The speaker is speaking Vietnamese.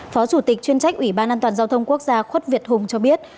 phó chủ tịch chuyên trách ủy ban an toàn giao thông quốc gia khuất việt hùng cho biết